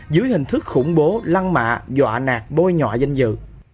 dưới hình thức khủng bố lăn mạ dọa nạt bôi nhọa danh dự